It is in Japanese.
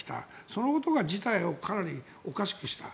そのことが事態をかなりおかしくした。